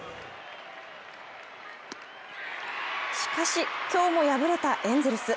しかし、今日も敗れたエンゼルス。